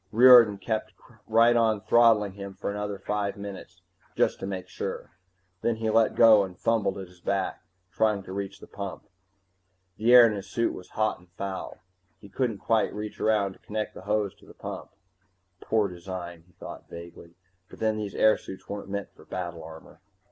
Riordan kept right on throttling him for another five minutes, just to make sure. Then he let go and fumbled at his back, trying to reach the pump. The air in his suit was hot and foul. He couldn't quite reach around to connect the hose to the pump Poor design, he thought vaguely. _But then, these airsuits weren't meant for battle armor.